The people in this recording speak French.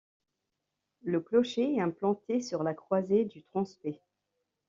Le clocher est implanté sur la croisée du transept.